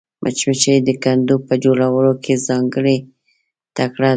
مچمچۍ د کندو په جوړولو کې ځانګړې تکړه ده